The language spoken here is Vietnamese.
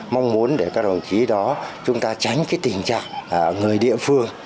mong muốn để các đồng chí đó chúng ta tránh cái tình trạng người địa phương